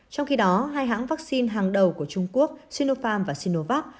trong khi đó hai hãng vaccine hàng đầu của trung quốc sinofarm và sinovac